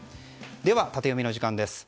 ではタテヨミの時間です。